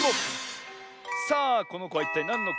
さあこのこはいったいなんのこでしょう？